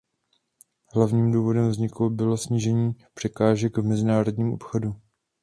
Hlavním důvodem vzniku bylo snížení překážek v mezinárodním obchodu.